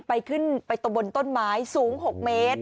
ไปขึ้นไปตรงบนต้นไม้สูง๖เมตร